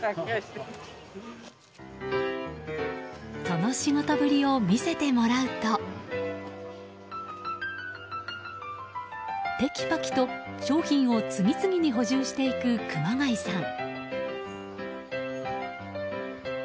その仕事ぶりを見せてもらうとてきぱきと商品を次々に補充していく熊谷さん。